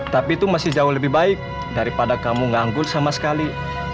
tapi itu masih jauh lebih baik daripada kamu nganggul sama sekali